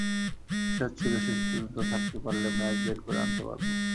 বিশ্বাস ছিল, শেষ পর্যন্ত থাকতে পারলে ম্যাচ বের করে আনতে পারব।